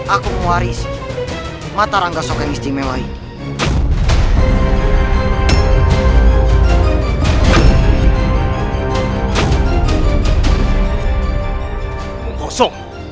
aku mewarisi mata rangga soka yang istimewa ini